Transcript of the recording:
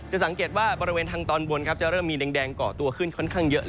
สังเกตว่าบริเวณทางตอนบนจะเริ่มมีแดงเกาะตัวขึ้นค่อนข้างเยอะ